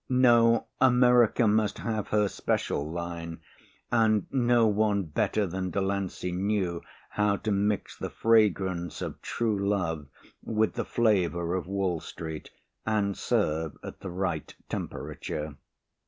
No, America must have her special line and no one better than Delancey knew how to mix the fragrance of true love with the flavour of Wall Street and serve at the right temperature.